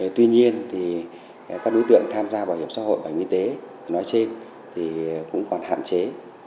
tuy nhiên các đối tượng tham gia bài viên tế nói trên cũng còn hạn chế